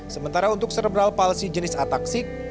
sementara untuk serebral palsi jenis ataksik